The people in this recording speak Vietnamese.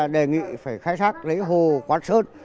đề nghị phải khai thác lấy hồ quán sơn